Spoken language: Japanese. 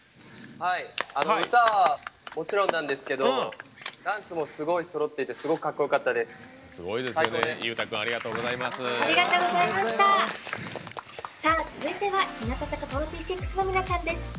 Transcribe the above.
歌はもちろんなんですけどダンスもすごいそろっててすごくかっこよかったです。